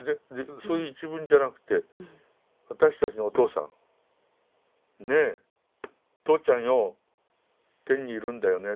そういう一文じゃなくて「私たちのお父さんねえとうちゃんよ天にいるんだよね」。